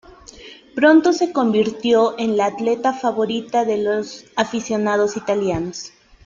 Pronto se convirtió en la atleta favorita de los aficionados italianos.